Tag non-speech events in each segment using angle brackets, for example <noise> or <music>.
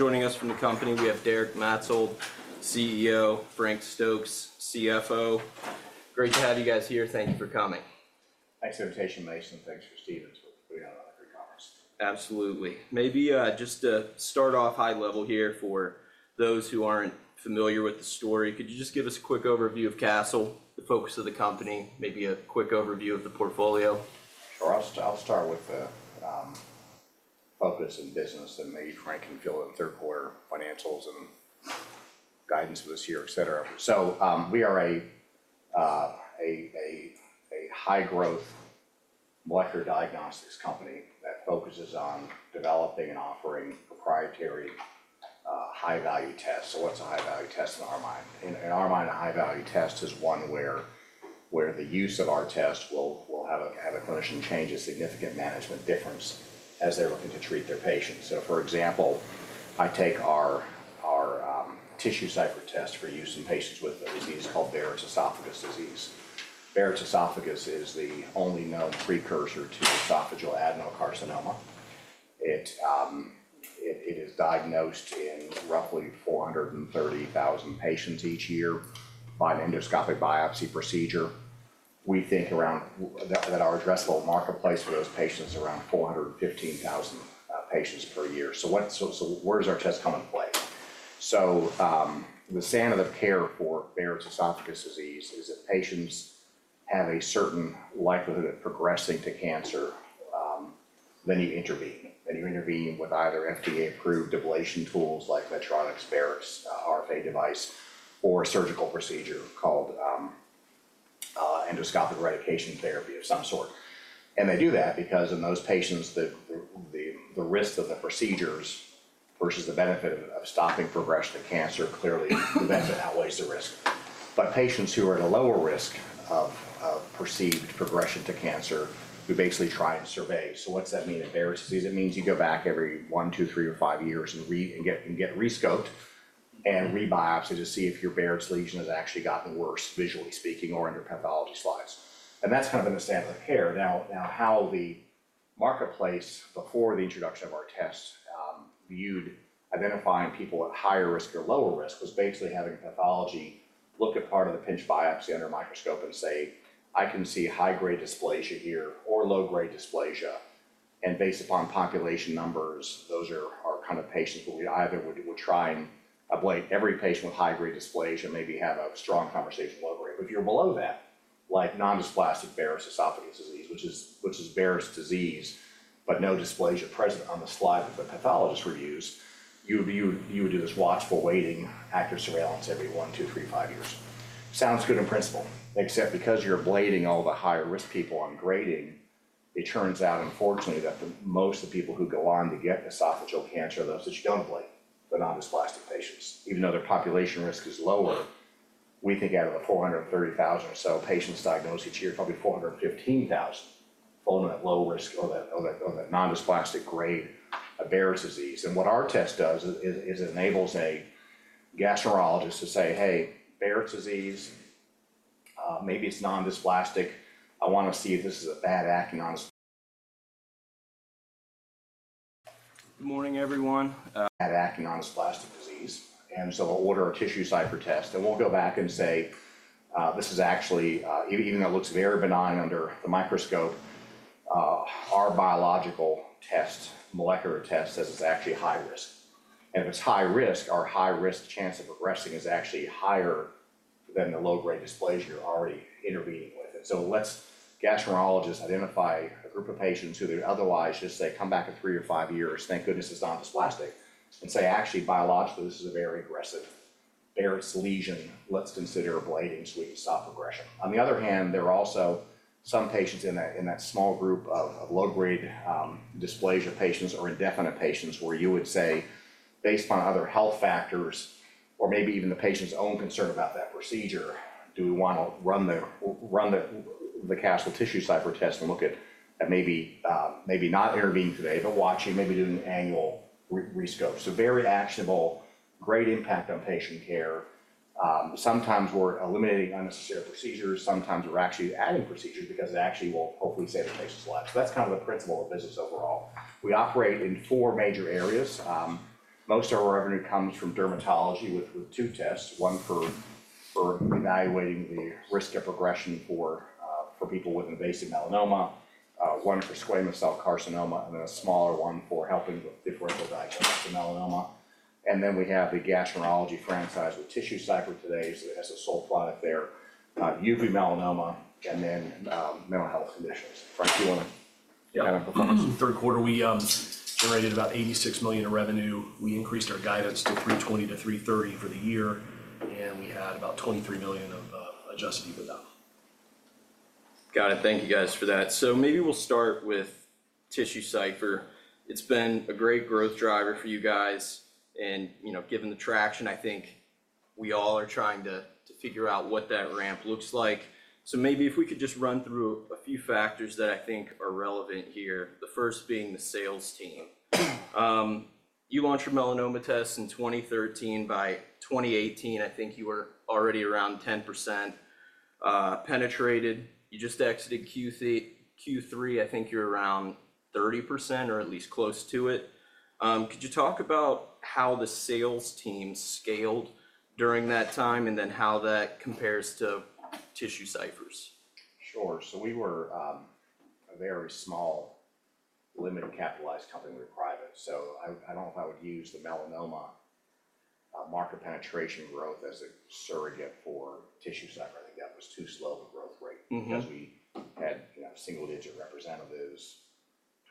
Joining us from the company, we have Derek Maetzold, CEO. Frank Stokes, CFO. Great to have you guys here. Thank you for coming. Thanks for the invitation, Mason. Thanks for Stephens for putting on. <audio distortion> Absolutely. Maybe just to start off high level here for those who aren't familiar with the story, could you just give us a quick overview of Castle, the focus of the company, maybe a quick overview of the portfolio? Sure. I'll start with the focus and business and me, Frank, and will fill in, third quarter financials and guidance this year, et cetera. So we are a high-growth molecular diagnostics company that focuses on developing and offering proprietary high-value tests. So what's a high-value test in our mind? In our mind, a high-value test is one where the use of our test will have a clinician change a significant management difference as they're looking to treat their patients. So, for example, I take our TissueCypher test for use in patients with a disease called Barrett's esophagus disease. Barrett's esophagus is the only known precursor to esophageal adenocarcinoma. It is diagnosed in roughly 430,000 patients each year by an endoscopic biopsy procedure. We think that our addressable marketplace for those patients is around 415,000 patients per year. So where does our test come into play? The standard of care for Barrett's esophagus disease is if patients have a certain likelihood of progressing to cancer, then you intervene. Then you intervene with either FDA-approved ablation tools like Medtronic's Barrx RFA device or a surgical procedure called endoscopic eradication therapy of some sort. And they do that because in those patients, the risk of the procedures versus the benefit of stopping progression to cancer clearly outweighs the risk. But patients who are at a lower risk of perceived progression to cancer, we basically try and survey. So what does that mean in Barrett's disease? It means you go back every one, two, three, or five years and get re-scoped and re-biopsied to see if your Barrett's lesion has actually gotten worse, visually speaking, or under pathology slides. And that's kind of been the standard of care. Now, how the marketplace before the introduction of our test viewed identifying people at higher risk or lower risk was basically having pathology look at part of the pinch biopsy under microscope and say, "I can see high-grade dysplasia here or low-grade dysplasia." And based upon population numbers, those are kind of patients where we either would try and ablate every patient with high-grade dysplasia, maybe have a strong conversation with low-grade. But if you're below that, like non-dysplastic Barrett's esophagus disease, which is Barrett's disease but no dysplasia present on the slide that the pathologist reviews, you would do this watchful waiting, active surveillance every one, two, three, five years. Sounds good in principle, except because you're ablating all the higher-risk people on grading, it turns out, unfortunately, that most of the people who go on to get esophageal cancer are those that you don't ablate, the non-dysplastic patients. Even though their population risk is lower, we think out of the 430,000 or so patients diagnosed each year, probably 415,000 fall in that low risk or that non-dysplastic grade of Barrett's disease. What our test does is it enables a gastroenterologist to say, "Hey, Barrett's disease, maybe it's non-dysplastic. I want to see if this is a bad. <audio distortion> Good morning, everyone. Bad-acting non-dysplastic disease. And so we'll order a TissueCypher test. And we'll go back and say, "This is actually, even though it looks very benign under the microscope, our biological test, molecular test, says it's actually high risk." And if it's high risk, our high-risk chance of progressing is actually higher than the low-grade dysplasia you're already intervening with. And so it lets gastroenterologists identify a group of patients who they'd otherwise just say, "Come back in three or five years. Thank goodness it's non-dysplastic," and say, "Actually, biologically, this is a very aggressive Barrett's lesion. Let's consider ablating so we can stop progression." On the other hand, there are also some patients in that small group of low-grade dysplasia patients or indefinite patients where you would say, "Based on other health factors or maybe even the patient's own concern about that procedure, do we want to run the Castle TissueCypher test and look at maybe not intervening today, but watching, maybe doing annual re-scope?" So very actionable, great impact on patient care. Sometimes we're eliminating unnecessary procedures. Sometimes we're actually adding procedures because it actually will hopefully save a patient's life. So that's kind of the principal of business overall. We operate in four major areas. Most of our revenue comes from dermatology with two tests, one for evaluating the risk of progression for people with invasive melanoma, one for squamous cell carcinoma, and then a smaller one for helping with differential <audio distortion> melanoma. And then we have the gastroenterology franchise with TissueCypher today that has a sole product there, uveal melanoma, and then mental health conditions. Frank, do you want to kind of perform? Yeah. Third quarter, we generated about $86 million in revenue. We increased our guidance to $320 million-$330 million for the year, and we had about $23 million adjusted EBITDA. Got it. Thank you, guys, for that. So maybe we'll start with TissueCypher. It's been a great growth driver for you guys. And given the traction, I think we all are trying to figure out what that ramp looks like. So maybe if we could just run through a few factors that I think are relevant here, the first being the sales team. You launched your melanoma tests in 2013. By 2018, I think you were already around 10% penetrated. You just exited Q3. I think you're around 30% or at least close to it. Could you talk about how the sales team scaled during that time and then how that compares to TissueCypher? Sure. So we were a very small, limited-capitalized <audio distortion> So I don't know if I would use the melanoma market penetration growth as a surrogate for TissueCypher. I think that was too slow a growth rate because we had single-digit representatives,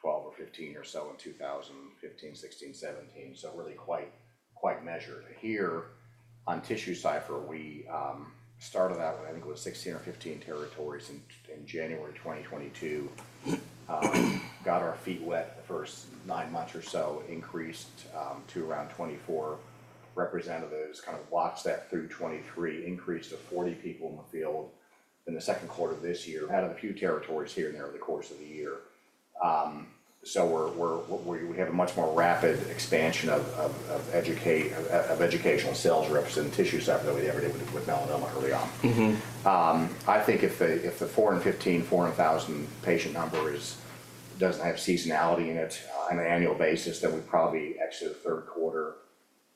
12 or 15 or so in 2015, 2016, 2017, so really quite measured. Here, on TissueCypher, we started out with, I think it was 16 or 15 territories in January 2022, got our feet wet the first nine months or so, increased to around 24 representatives, kind of watched that through 2023, increased to 40 people in the field in the second quarter of this year. Out of a few territories here and there over the course of the year. So we have a much more rapid expansion of educational sales representative TissueCypher than we ever did with melanoma early on. I think if the 415,400,000 patient number doesn't have seasonality in it on an annual basis, then we probably exited third quarter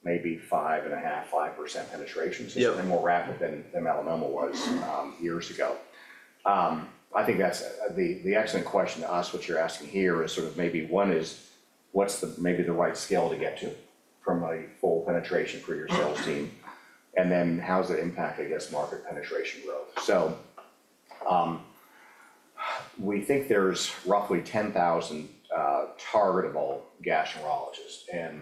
maybe 5.5% penetration. So it's been more rapid than melanoma was years ago. I think the excellent question to us, what you're asking here is sort of maybe one is what's maybe the right scale to get to from a full penetration for your sales team? And then how does it impact, I guess, market penetration growth? So we think there's roughly 10,000 targetable gastroenterologists. And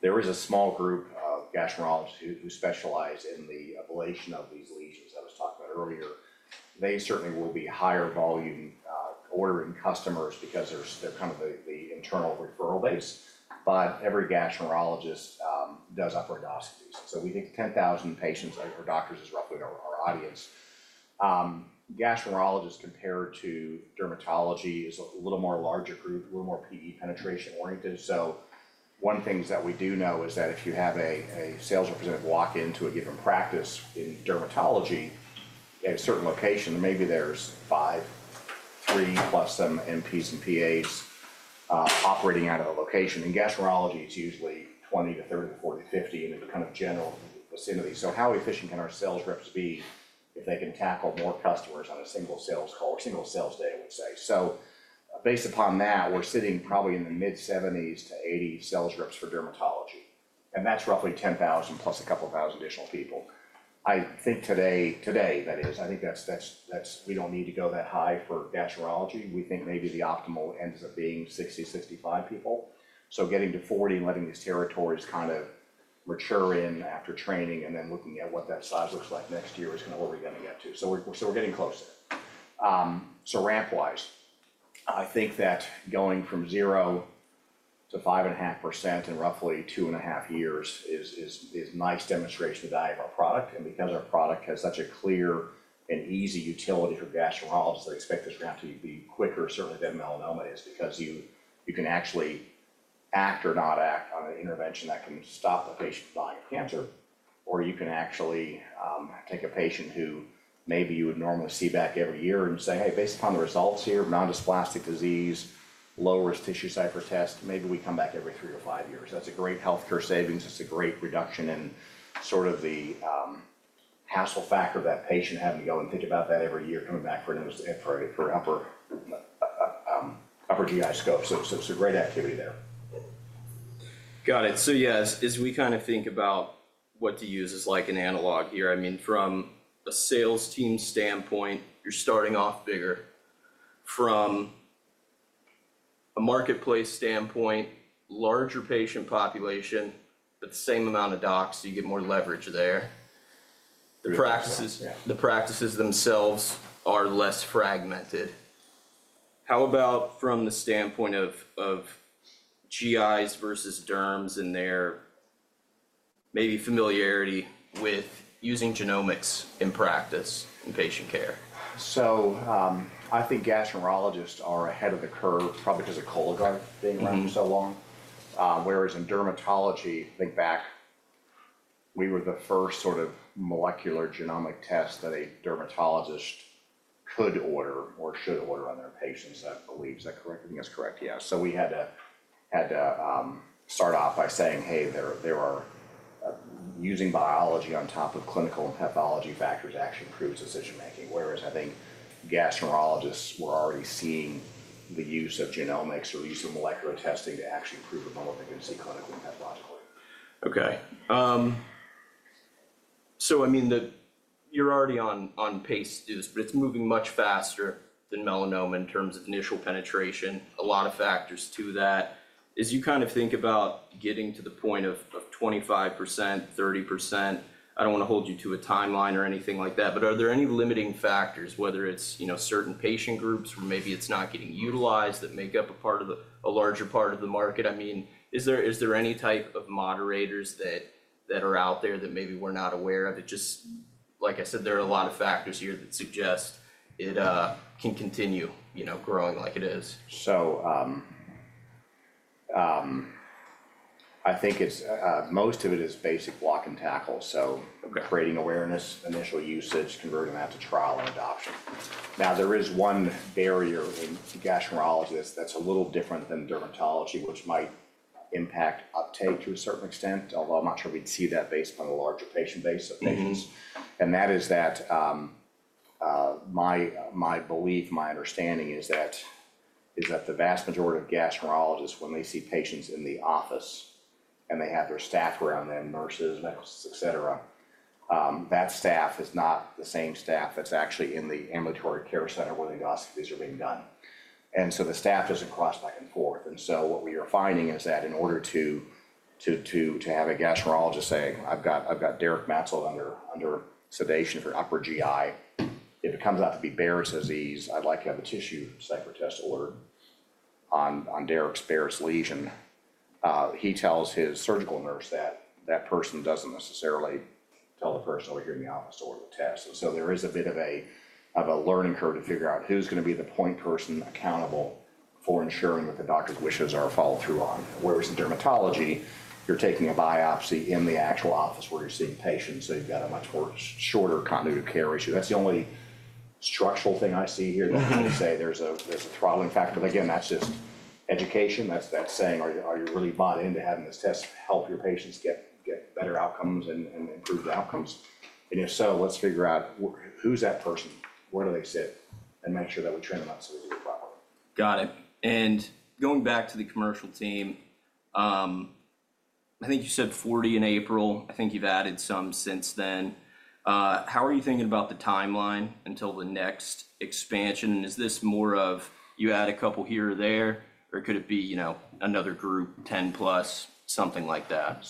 there is a small group of gastroenterologists who specialize in the ablation of these lesions I was talking about earlier. They certainly will be higher volume ordering customers because they're kind of the internal referral base. But every gastroenterologist does upper endoscopies. So we think 10,000 patients or doctors is roughly our audience. Gastroenterologists compared to dermatology is a little more larger group, a little more PE ratio oriented. So one thing that we do know is that if you have a sales representative walk into a given practice in dermatology at a certain location, maybe there's five, 3+ some NPs and PAs operating out of a location. In gastroenterology, it's usually 20 to 30 to 40 to 50 in kind of general vicinity. So how efficient can our sales reps be if they can tackle more customers on a single sales call or single sales day, I would say? So based upon that, we're sitting probably in the mid-70s to 80 sales reps for dermatology. And that's roughly 10,000 plus a couple of thousand additional people. I think today, that is, I think we don't need to go that high for gastroenterology. We think maybe the optimal ends up being 60, 65 people. So getting to 40 and letting these territories kind of mature in after training and then looking at what that size looks like next year is kind of what we're going to get to. So we're getting close there. So ramp-wise, I think that going from 0%-5.5% in roughly two and a half years is a nice demonstration of the value of our product. And because our product has such a clear and easy utility for gastroenterologists, I expect this ramp to be quicker, certainly, than melanoma is because you can actually act or not act on an intervention that can stop the patient from dying of cancer. Or you can actually take a patient who maybe you would normally see back every year and say, "Hey, based upon the results here, non-dysplastic disease, low-risk TissueCypher test, maybe we come back every three or five years." That's a great healthcare savings. It's a great reduction in sort of the hassle factor of that patient having to go and think about that every year coming back for upper GI scope. So it's a great activity there. Got it. So yeah, as we kind of think about what to use as an analog here, I mean, from a sales team standpoint, you're starting off bigger. From a marketplace standpoint, larger patient population, but the same amount of docs, you get more leverage there. The practices themselves are less fragmented. How about from the standpoint of GIs versus derms and their maybe familiarity with using genomics in practice in patient care? So I think gastroenterologists are ahead of the curve probably because of Cologuard being around for so long. Whereas in dermatology, I think back, we were the first sort of molecular genomic test that a dermatologist could order or should order on their patients, I believe. Is that correct? I think that's correct, yeah. So we had to start off by saying, "Hey, using biology on top of clinical and pathology factors actually improves decision-making." Whereas I think gastroenterologists were already seeing the use of genomics or the use of molecular testing to actually improve the relevancy clinically and pathologically. Okay. So I mean, you're already on pace to do this, but it's moving much faster than melanoma in terms of initial penetration. A lot of factors to that. As you kind of think about getting to the point of 25%, 30%, I don't want to hold you to a timeline or anything like that, but are there any limiting factors, whether it's certain patient groups or maybe it's not getting utilized that make up a larger part of the market? I mean, is there any type of moderators that are out there that maybe we're not aware of? Like I said, there are a lot of factors here that suggest it can continue growing like it is. I think most of it is basic block and tackle. Creating awareness, initial usage, converting that to trial and adoption. Now, there is one barrier in gastroenterology that's a little different than dermatology, which might impact uptake to a certain extent, although I'm not sure we'd see that based upon a larger patient base of patients. And that is that my belief, my understanding is that the vast majority of gastroenterologists, when they see patients in the office and they have their staff around them, nurses, medical assistants, et cetera, that staff is not the same staff that's actually in the ambulatory care center where the endoscopies are being done. And so the staff doesn't cross back and forth. What we are finding is that in order to have a gastroenterologist say, "I've got Derek Maetzold under sedation for upper GI, if it comes out to be Barrett's esophagus, I'd like to have a TissueCypher test ordered on Derek's Barrett's lesion." He tells his surgical nurse that. That person doesn't necessarily tell the person over here in the office to order the test. And so there is a bit of a learning curve to figure out who's going to be the point person accountable for ensuring that the doctor's wishes are followed through on. Whereas in dermatology, you're taking a biopsy in the actual office where you're seeing patients, so you've got a much shorter continuity of care issue. That's the only structural thing I see here that I would say there's a throttling factor. But again, that's just education. That's saying, "Are you really bought into having this test help your patients get better outcomes and improved outcomes?" And if so, let's figure out who's that person, where do they sit, and make sure that we train them. <audio distortion> Got it. And going back to the commercial team, I think you said 40 in April. I think you've added some since then. How are you thinking about the timeline until the next expansion? And is this more of you add a couple here or there, or could it be another group, 10+, something like that?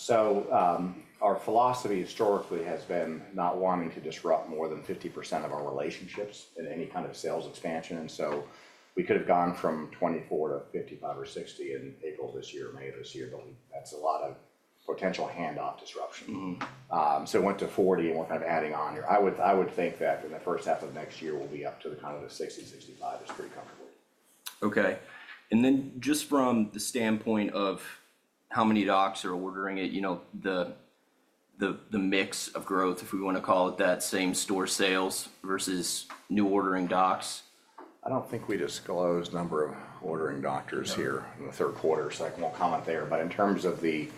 Our philosophy historically has been not wanting to disrupt more than 50% of our relationships in any kind of sales expansion. We could have gone from 24%-55% or 60% in April this year, May of this year, but that's a lot of potential handoff disruption. It went to 40% and we're kind of adding on here. I would think that in the first half of next year, we'll be up to kind of the 60%, 65% is pretty comfortable. Okay. And then just from the standpoint of how many docs are ordering it, the mix of growth, if we want to call it that, same store sales versus new ordering docs? I don't think we disclose number of ordering doctors here in the third quarter, so I won't comment there. But in terms of the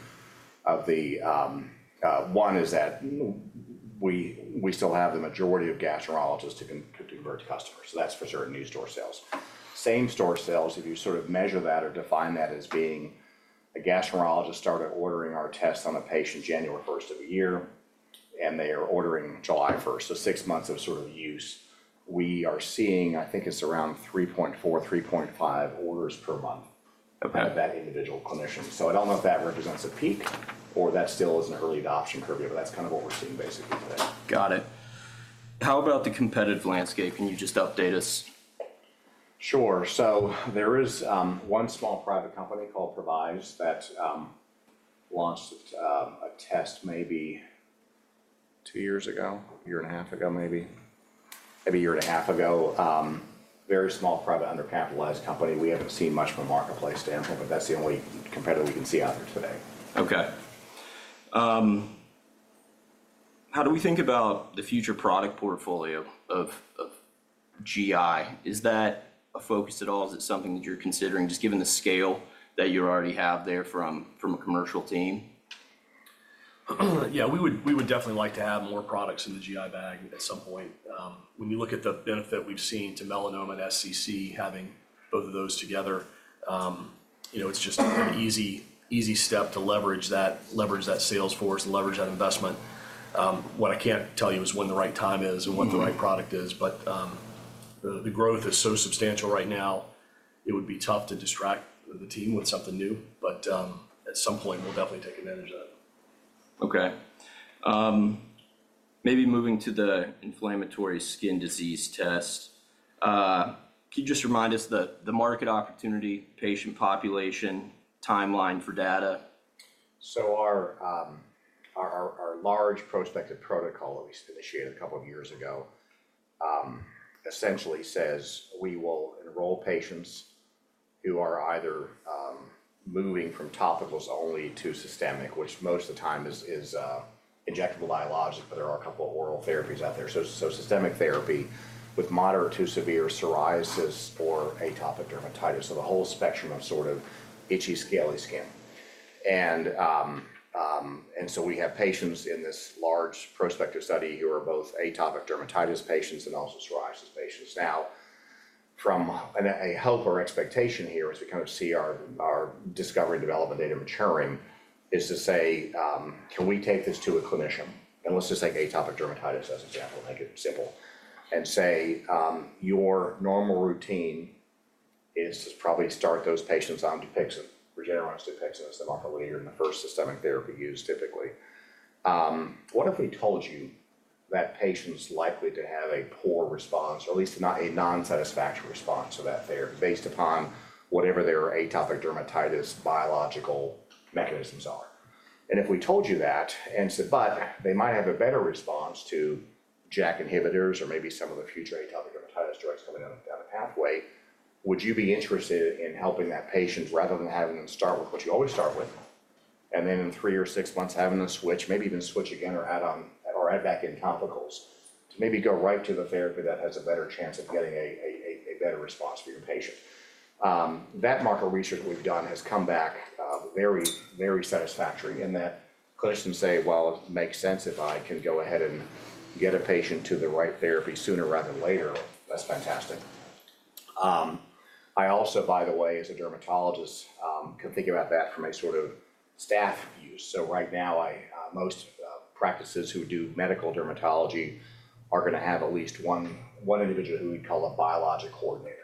one is that we still have the majority of gastroenterologists who can convert to customers. So that's for certain new store sales. Same store sales, if you sort of measure that or define that as being a gastroenterologist started ordering our tests on a patient January 1st of the year, and they are ordering July 1st, so six months of sort of use, we are seeing, I think it's around 3.4, 3.5 orders per month of that individual clinician. So I don't know if that represents a peak or that still is an early adoption curvature, but that's kind of what we're seeing basically today. Got it. How about the competitive landscape? Can you just update us? Sure. So there is one small private company called Previse that launched a test maybe two years ago, a year and a half ago maybe. Maybe a year and a half ago. Very small private undercapitalized company. We haven't seen much from a marketplace standpoint, but that's the only competitor we can see out there today. Okay. How do we think about the future product portfolio of GI? Is that a focus at all? Is it something that you're considering just given the scale that you already have there from a commercial team? Yeah. We would definitely like to have more products in the GI bag at some point. When you look at the benefit we've seen to melanoma and SCC, having both of those together, it's just an easy step to leverage that sales force and leverage that investment. What I can't tell you is when the right time is and when the right product is, but the growth is so substantial right now, it would be tough to distract the team with something new. But at some point, we'll definitely take advantage. <audio distortion> Okay. Maybe moving to the inflammatory skin disease test. Can you just remind us the market opportunity, patient population, timeline for data? So our large prospective protocol that we initiated a couple of years ago essentially says we will enroll patients who are either moving from topicals only to systemic, which most of the time is injectable biologics, but there are a couple of oral therapies out there. So systemic therapy with moderate to severe psoriasis or atopic dermatitis. So the whole spectrum of sort of itchy scaly skin. And so we have patients in this large prospective study who are both atopic dermatitis patients and also psoriasis patients. Now, a helper expectation here as we kind of see our discovery and development data maturing is to say, "Can we take this to a clinician?" And let's just take atopic dermatitis as an example. Make it simple. Say, "Your normal routine is to probably start those patients on Dupixent, Regeneron Dupixent as the market leader in the first systemic therapy use typically. What if we told you that patients likely to have a poor response, or at least not a non-satisfactory response to that therapy based upon whatever their atopic dermatitis biological mechanisms are?" And if we told you that and said, "But they might have a better response to JAK inhibitors or maybe some of the future atopic dermatitis drugs coming down the pathway, would you be interested in helping that patient rather than having them start with what you always start with, and then in three or six months having them switch, maybe even switch again or add back in topicals to maybe go right to the therapy that has a better chance of getting a better response for your patient?" That marker research we've done has come back very, very satisfactory in that clinicians say, "Well, it makes sense if I can go ahead and get a patient to the right therapy sooner rather than later. That's fantastic." I also, by the way, as a dermatologist, can think about that from a sort of staff use. So right now, most practices who do medical dermatology are going to have at least one individual who we'd call a biologic coordinator.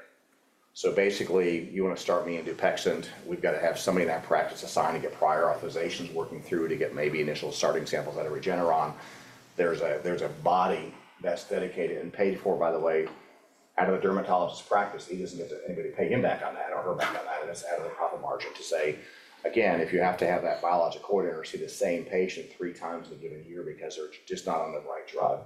So basically, you want to start me in Dupixent. We've got to have somebody in that practice assigned to get prior authorizations working through to get maybe initial starting samples out of Regeneron. There's a body that's dedicated and paid for, by the way, out of the dermatologist's practice. He doesn't get anybody to pay him back on that or her back on that. That's out of the profit margin to say, "Again, if you have to have that biologic coordinator see the same patient three times in a given year because they're just not on the right drug,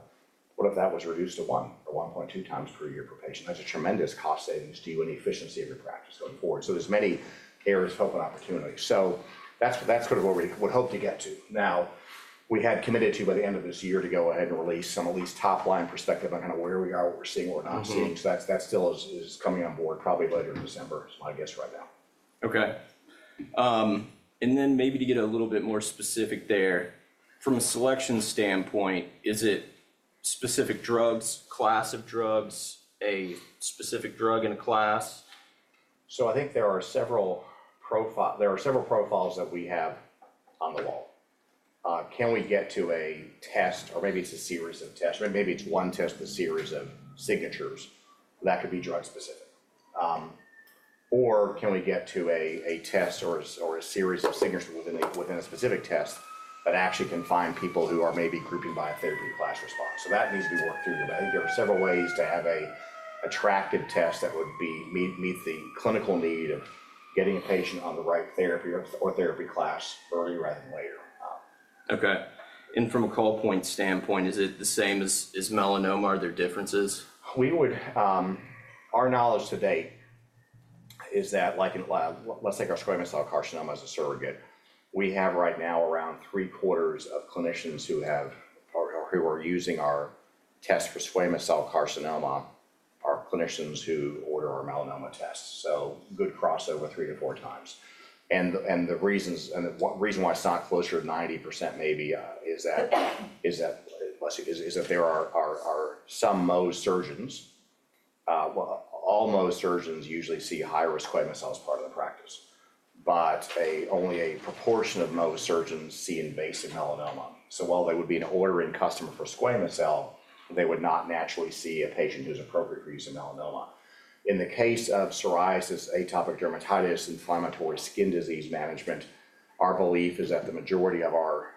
what if that was reduced to one or 1.2 times per year per patient?" That's a tremendous cost savings to you and efficiency of your practice going forward. So there's many areas of health and opportunity. So that's sort of what we hope to get to. Now, we had committed to by the end of this year to go ahead and release some of these top-line perspective on kind of where we are, what we're seeing, what we're not seeing. So that still is coming on board probably later in December, is my guess right now. Okay. And then maybe to get a little bit more specific there, from a selection standpoint, is it specific drugs, class of drugs, a specific drug in a class? So I think there are several profiles that we have on the wall. Can we get to a test, or maybe it's a series of tests? Maybe it's one test with a series of signatures. That could be drug-specific. Or can we get to a test or a series of signatures within a specific test that actually can find people who are maybe grouping by a therapy class response? So that needs to be worked through. But I think there are several ways to have an attractive test that would meet the clinical need of getting a patient on the right therapy or therapy class earlier rather than later. Okay. And from a cost point standpoint, is it the same as melanoma? Are there differences? Our knowledge to date is that, let's take our squamous cell carcinoma as a surrogate. We have right now around three-quarters of clinicians who are using our test for squamous cell carcinoma, our clinicians who order our melanoma tests. So good crossover three to four times. And the reason why it's not closer to 90% maybe is that there are some Mohs surgeons. All Mohs surgeons usually see high-risk squamous cell as part of the practice. But only a proportion of Mohs surgeons see invasive melanoma. So while they would be an ordering customer for squamous cell, they would not naturally see a patient who's appropriate for use of melanoma. In the case of psoriasis, atopic dermatitis, inflammatory skin disease management, our belief is that the majority of our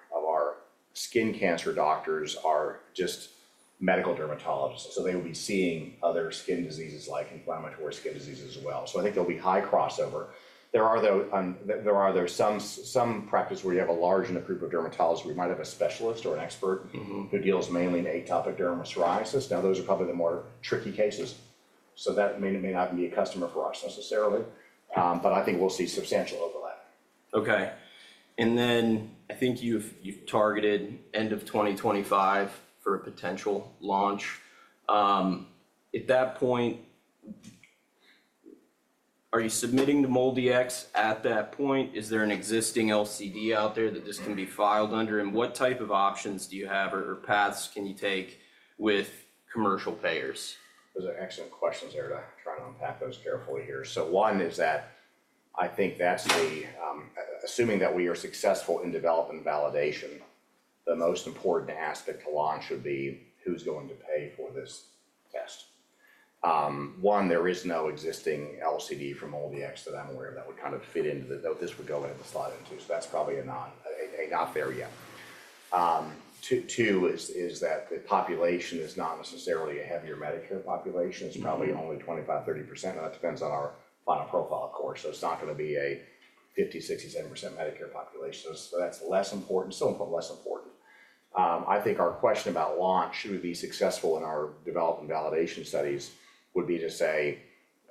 skin cancer doctors are just medical dermatologists. So they will be seeing other skin diseases like inflammatory skin diseases as well. So I think there'll be high crossover. There are though some practices where you have a large group of dermatologists. We might have a specialist or an expert who deals mainly in atopic dermatitis, psoriasis. Now, those are probably the more tricky cases. So that may or may not be a customer for us necessarily. But I think we'll see substantial overlap. Okay. And then I think you've targeted end of 2025 for a potential launch. At that point, are you submitting to MolDX at that point? Is there an existing LCD out there that this can be filed under? And what type of options do you have or paths can you take with commercial payers? Those are excellent questions there. I'll try to unpack those carefully here. So one is that I think that's, assuming that we are successful in developing validation, the most important aspect to launch would be who's going to pay for this test. One, there is no existing LCD from MolDX that I'm aware of that would kind of fit into this would go into the LCD too. So that's probably not there yet. Two is that the population is not necessarily a heavier Medicare population. It's probably only 25%-30%. And that depends on our final profile, of course. So it's not going to be a 50%-70% Medicare population. So that's less important, still less important. I think our question about launch, should we be successful in our developing validation studies, would be to say,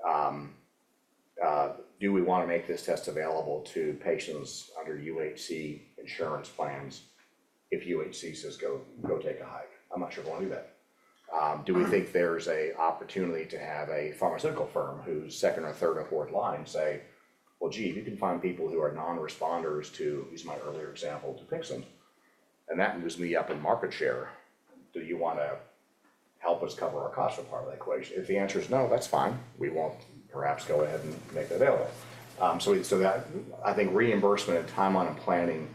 "Do we want to make this test available to patients under UHC insurance plans if UHC says go take a hike?" I'm not sure we want to do that. Do we think there's an opportunity to have a pharmaceutical firm who's second or third or fourth line say, "Well, gee, if you can find people who are non-responders to," use my earlier example, "Dupixent," and that moves me up in market share, do you want to help us cover our cost of part of the equation? If the answer is no, that's fine. We won't perhaps go ahead and make that available. So I think reimbursement and timeline and planning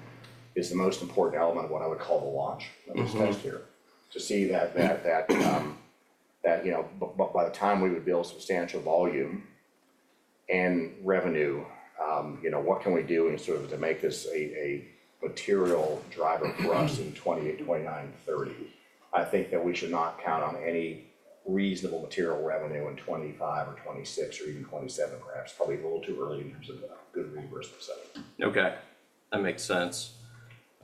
is the most important element of what I would call the launch of this test here to see that by the time we would build substantial volume and revenue, what can we do sort of to make this a material driver for us in 2028, 2029, 2030? I think that we should not count on any reasonable material revenue in 2025 or 2026 or even 2027, perhaps. Probably a little too early in terms of good reimbursement setting. Okay. That makes sense.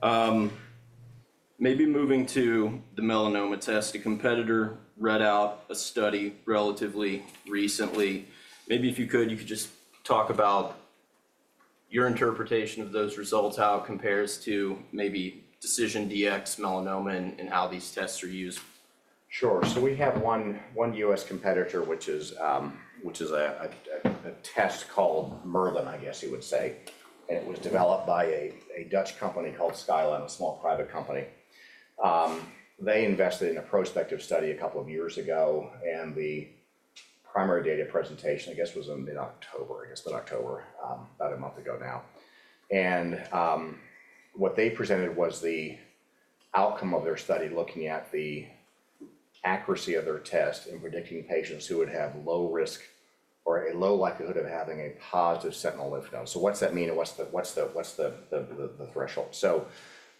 Maybe moving to the melanoma test. A competitor read out a study relatively recently. Maybe if you could, you could just talk about your interpretation of those results, how it compares to maybe DecisionDx-Melanoma and how these tests are used. Sure. So we have one US competitor, which is a test called Merlin, I guess you would say. It was developed by a Dutch company called Skyline, a small private company. They invested in a prospective study a couple of years ago, and the primary data presentation, I guess, was in October, I guess, about October, about a month ago now. And what they presented was the outcome of their study looking at the accuracy of their test in predicting patients who would have low risk or a low likelihood of having a positive sentinel lymph node. So what's that mean? What's the threshold? So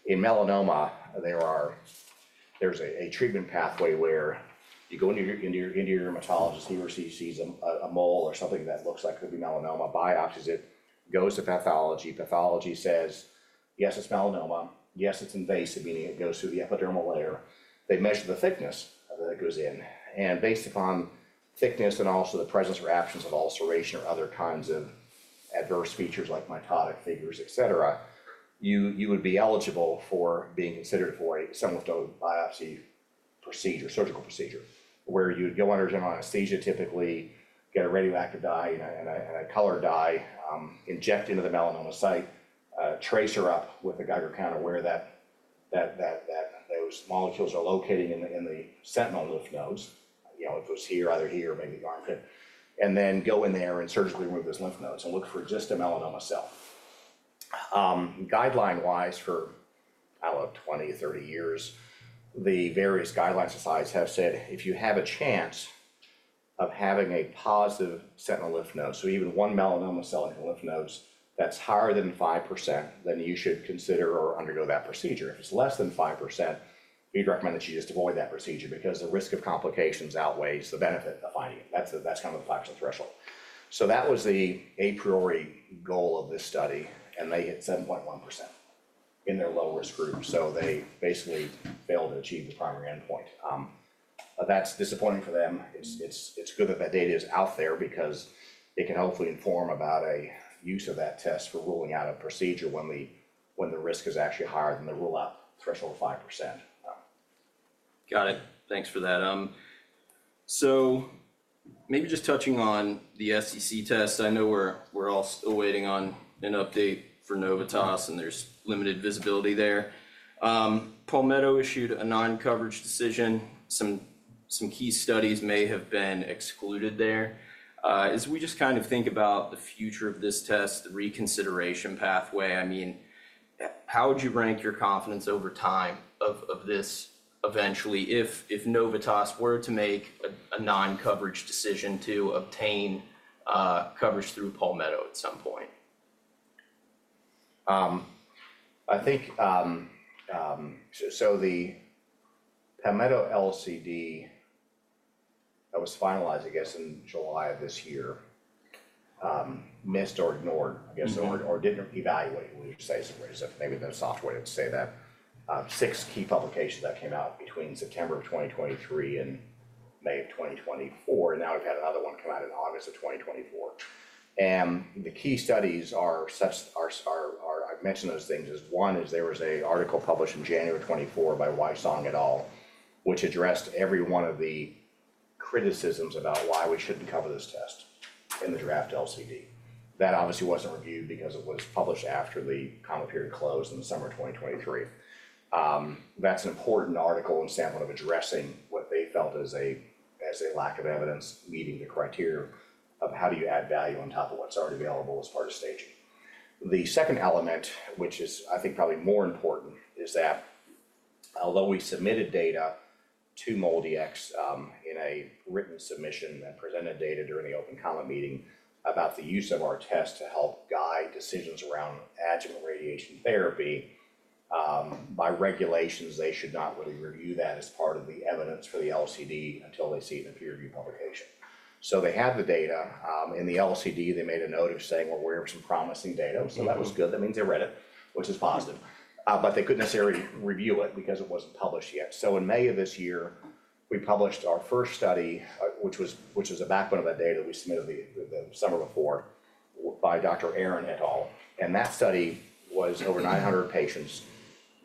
in melanoma, there's a treatment pathway where you go into your dermatologist, he or she sees a mole or something that looks like could be melanoma, biopsies it, goes to pathology. Pathology says, "Yes, it's melanoma. Yes, it's invasive, meaning it goes through the epidermal layer. They measure the thickness that it goes in, and based upon thickness and also the presence or absence of ulceration or other kinds of adverse features like mitotic figures, et cetera, you would be eligible for being considered for a sentinel lymph node biopsy procedure, surgical procedure, where you would go under general anesthesia, typically get a radioactive dye and a colored dye, inject into the melanoma site, tracer up with a Geiger counter where those molecules are located in the sentinel lymph nodes. It goes here, either here, or maybe the armpit, and then go in there and surgically remove those lymph nodes and look for just a melanoma cell. Guideline-wise, for I don't know, 20, 30 years, the various guidelines and slides have said if you have a chance of having a positive sentinel lymph node, so even one melanoma cell in your lymph nodes that's higher than 5%, then you should consider or undergo that procedure. If it's less than 5%, we'd recommend that you just avoid that procedure because the risk of complications outweighs the benefit of finding it. That's kind of the 5% threshold. So that was the a priori goal of this study, and they hit 7.1% in their low-risk group. So they basically failed to achieve the primary endpoint. That's disappointing for them. It's good that that data is out there because it can hopefully inform about a use of that test for ruling out a procedure when the risk is actually higher than the rule-out threshold of 5%. Got it. Thanks for that. So maybe just touching on the SCC test. I know we're all still waiting on an update for Novitas, and there's limited visibility there. Palmetto issued a non-coverage decision. Some key studies may have been excluded there. As we just kind of think about the future of this test, the reconsideration pathway, I mean, how would you rank your confidence over time of this eventually if Novitas were to make a non-coverage decision to obtain coverage through Palmetto at some point? I think, so the Palmetto LCD that was finalized, I guess, in July of this year, missed or ignored, I guess, or didn't evaluate, we would say, maybe the software didn't say that, six key publications that came out between September of 2023 and May of 2024. And now we've had another one come out in August of 2024. And the key studies are. I've mentioned those things as one is there was an article published in January 2024 by Wysong et al., which addressed every one of the criticisms about why we shouldn't cover this test in the draft LCD. That obviously wasn't reviewed because it was published after the comment period closed in the summer of 2023. That's an important article and sample of addressing what they felt as a lack of evidence meeting the criteria of how do you add value on top of what's already available as part of staging. The second element, which is I think probably more important, is that although we submitted data to MolDX in a written submission and presented data during the open comment meeting about the use of our test to help guide decisions around adjuvant radiation therapy, by regulations, they should not really review that as part of the evidence for the LCD until they see it in a peer-reviewed publication. So they have the data. In the LCD, they made a note of saying, "Well, we have some promising data." So that was good. That means they read it, which is positive. But they couldn't necessarily review it because it wasn't published yet. In May of this year, we published our first study, which was a backbone of that data that we submitted the summer before by Dr. Arron et al. That study was over 900 patients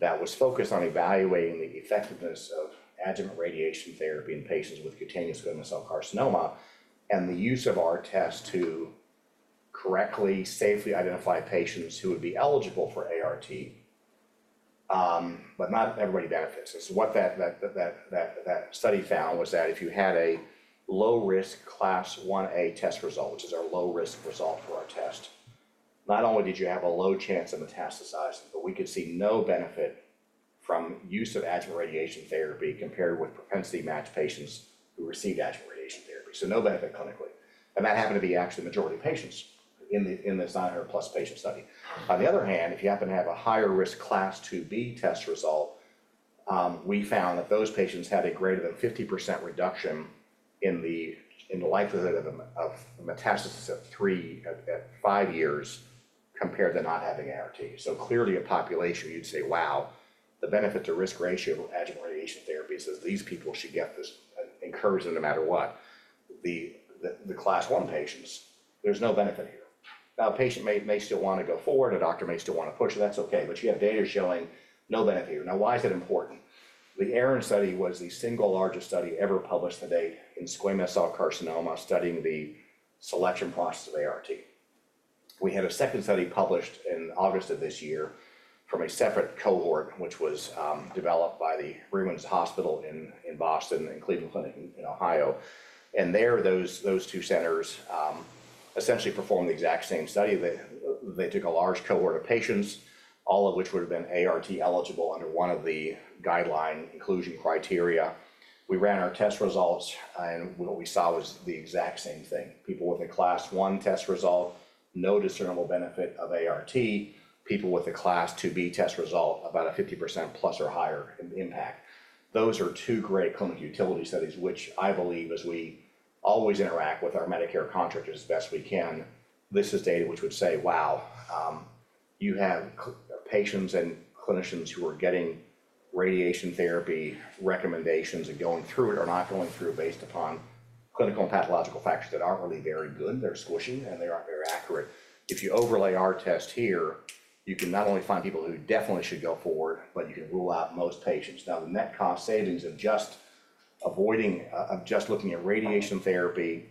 that was focused on evaluating the effectiveness of adjuvant radiation therapy in patients with cutaneous squamous cell carcinoma and the use of our test to correctly, safely identify patients who would be eligible for ART. But not everybody benefits. What that study found was that if you had a low-risk Class 1A test result, which is our low-risk result for our test, not only did you have a low chance of metastasizing, but we could see no benefit from use of adjuvant radiation therapy compared with propensity-matched patients who received adjuvant radiation therapy. No benefit clinically. That happened to be actually the majority of patients in this 900+ patient study. On the other hand, if you happen to have a higher-risk class 2B test result, we found that those patients had a greater than 50% reduction in the likelihood of metastasis at five years compared to not having ART. So clearly, a population where you'd say, "Wow, the benefit to risk ratio of adjuvant radiation therapy says these people should get this, encourage them no matter what." The class 1 patients, there's no benefit here. Now, a patient may still want to go forward. A doctor may still want to push it. That's okay. But you have data showing no benefit here. Now, why is it important? The ARIN study was the single largest study ever published to date in squamous cell carcinoma studying the selection process of ART. We had a second study published in August of this year from a separate cohort, which was developed by the Brigham and Women's Hospital in Boston and Cleveland Clinic in Ohio, and there, those two centers essentially performed the exact same study. They took a large cohort of patients, all of which would have been ART eligible under one of the guideline inclusion criteria. We ran our test results, and what we saw was the exact same thing. People with a Class 1 test result, no discernible benefit of ART. People with a Class 2B test result, about a 50%+ or higher impact. Those are two great clinical utility studies, which I believe, as we always interact with our Medicare contractors as best we can, this is data which would say, "Wow, you have patients and clinicians who are getting radiation therapy recommendations and going through it or not going through it based upon clinical and pathological factors that aren't really very good. They're squishy, and they aren't very accurate." If you overlay our test here, you can not only find people who definitely should go forward, but you can rule out most patients. Now, the net cost savings of just looking at radiation therapy,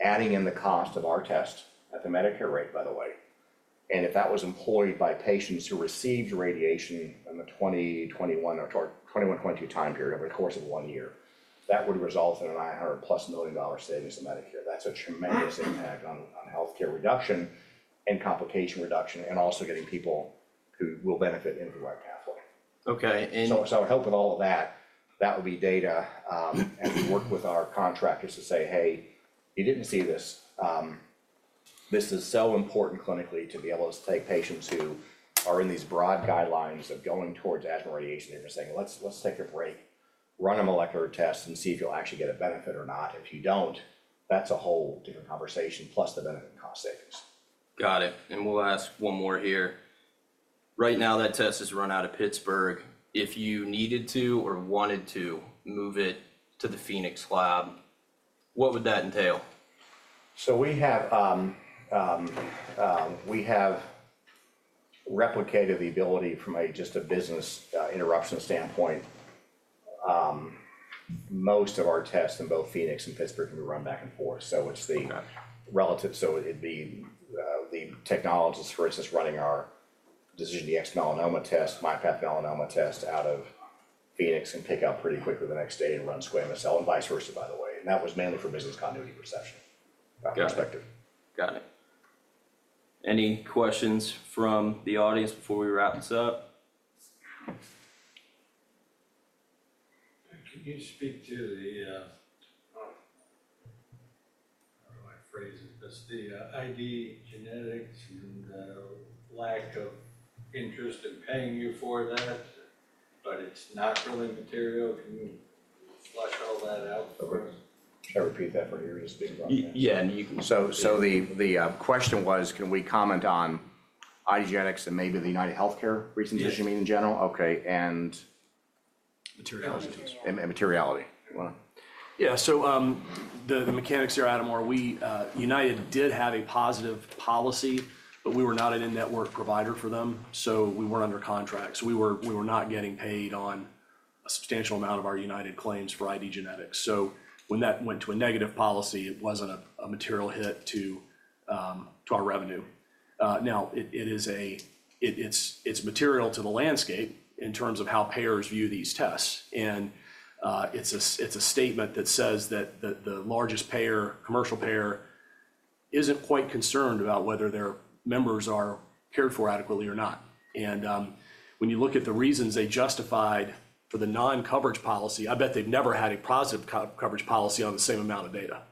adding in the cost of our test at the Medicare rate, by the way, and if that was employed by patients who received radiation in the 2021 or 2022 time period over the course of one year, that would result in a $900 million+ savings to Medicare. That's a tremendous impact on healthcare reduction and complication reduction and also getting people who will benefit in a direct pathway. Okay. And. So I would hope with all of that, that would be data and work with our contractors to say, "Hey, you didn't see this. This is so important clinically to be able to take patients who are in these broad guidelines of going towards adjuvant radiation therapy and saying, 'Let's take a break, run a molecular test, and see if you'll actually get a benefit or not.' If you don't, that's a whole different conversation plus the benefit and cost savings. Got it, and we'll ask one more here. Right now, that test has run out of Pittsburgh. If you needed to or wanted to move it to the Phoenix lab, what would that entail? We have replicated the ability from just a business interruption standpoint. Most of our tests in both Phoenix and Pittsburgh can be run back and forth. It's relatively, so it'd be the technologists, for instance, running our DecisionDx-Melanoma test, MyPath Melanoma test out of Phoenix and pick up pretty quickly the next day and run squamous cell and vice versa, by the way. That was mainly for business continuity perspective. Got it. Any questions from the audience before we wrap this up? Can you speak to the (how do I phrase it?) IDgenetix and lack of interest in paying you for that, but it's not really material. Can you flesh all that out for us? Can I repeat that for you? Yeah. So the question was, can we comment on IDgenetix and maybe the UnitedHealthcare reimbursement meeting in general? Yeah. Okay. And. Materiality. And materiality. Yeah. So the mechanics there, Adam Moore, United did have a positive policy, but we were not a network provider for them, so we weren't under contract. So we were not getting paid on a substantial amount of our United claims for IDgenetix. So when that went to a negative policy, it wasn't a material hit to our revenue. Now, it is a, it's material to the landscape in terms of how payers view these tests. And it's a statement that says that the largest payer, commercial payer, isn't quite concerned about whether their members are cared for adequately or not. And when you look at the reasons they justified for the non-coverage policy, I bet they've never had a positive coverage policy on the same amount of data.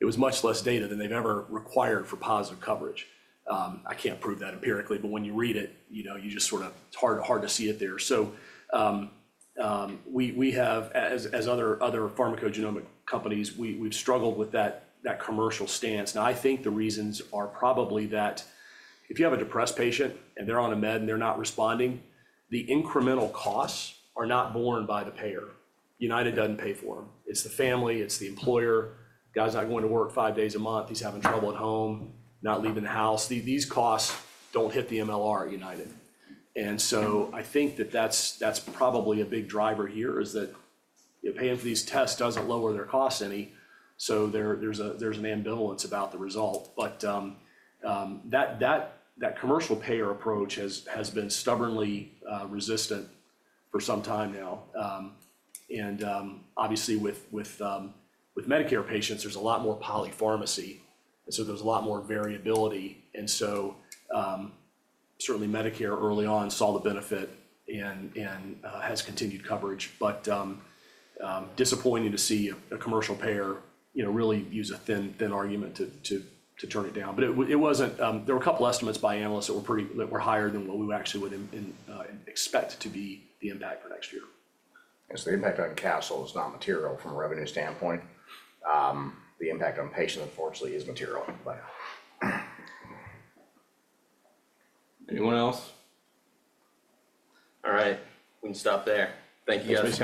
It was much less data than they've ever required for positive coverage. I can't prove that empirically, but when you read it, you just sort of, it's hard to see it there, so we have, as other pharmacogenomic companies, we've struggled with that commercial stance, and I think the reasons are probably that if you have a depressed patient and they're on a med and they're not responding, the incremental costs are not borne by the payer. United doesn't pay for them. It's the family. It's the employer. Guy's not going to work five days a month. He's having trouble at home, not leaving the house. These costs don't hit the MLR at United, and so I think that that's probably a big driver here is that paying for these tests doesn't lower their costs any, so there's an ambivalence about the result, but that commercial payer approach has been stubbornly resistant for some time now. And obviously, with Medicare patients, there's a lot more polypharmacy. And so there's a lot more variability. And so certainly, Medicare early on saw the benefit and has continued coverage. But disappointing to see a commercial payer really use a thin argument to turn it down. But there were a couple of estimates by analysts that were higher than what we actually would expect to be the impact for next year. So the impact on Castle is not material from a revenue standpoint. The impact on patients, unfortunately, is material. Anyone else? All right. We can stop there. Thank you, guys.